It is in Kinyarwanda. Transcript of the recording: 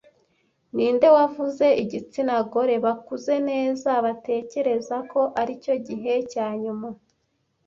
Ninde wavuze "igitsina gore bakuze neza batekereza ko aricyo gihe cyanyuma"